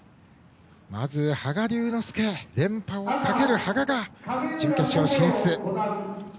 まず羽賀龍之介連覇をかける羽賀が準決勝進出。